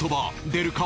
出るか？